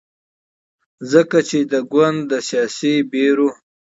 ځکه چې دې ګوند د سیاسي بیرو